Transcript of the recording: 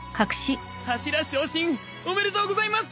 柱昇進おめでとうございます！